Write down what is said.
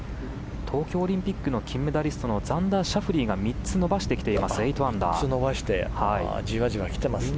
東京オリンピックの金メダリストザンダー・シャフリーが３つ伸ばしてきています。